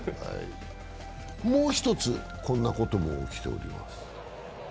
もう１つ、こんなことも起きております。